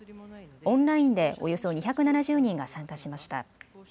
オンラインでおよそ２７０人が参加しました。